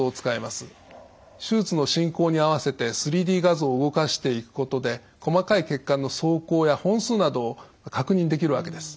手術の進行に合わせて３Ｄ画像を動かしていくことで細かい血管の走行や本数などを確認できるわけです。